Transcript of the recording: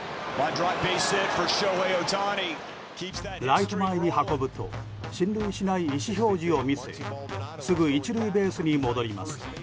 ライト前に運ぶと進塁しない意思表示を見せすぐ１塁ベースに戻ります。